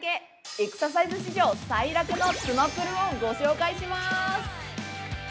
エクササイズ史上最楽のつまぷるをご紹介します。